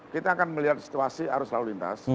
kita akan melihat situasi arus lalu lintas